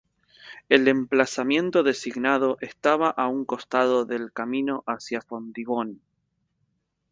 El emplazamiento designado estaba a un costado del camino hacía Fontibón.